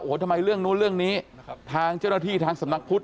ทำไมเรื่องนู้นเรื่องนี้ทางเจ้าหน้าที่ทางสำนักพุทธ